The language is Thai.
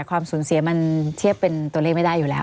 ความสูญเสียมันเทียบเป็นตัวเลขไม่ได้อยู่แล้ว